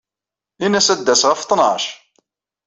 Ini-as ad d-tas ɣef ttnac.